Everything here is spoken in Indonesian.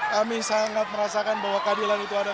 kami sangat merasakan bahwa keadilan itu ada